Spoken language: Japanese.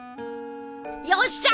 よっしゃ！